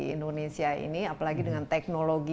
indonesia ini apalagi dengan teknologi